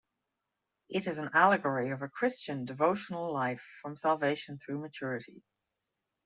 It is an allegory of a Christian devotional life from salvation through maturity.